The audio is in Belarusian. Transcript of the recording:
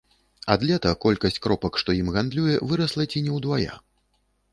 Ад лета колькасць кропак, што ім гандлюе, вырасла ці не ўдвая.